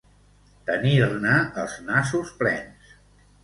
Tenir-ne els nassos plens.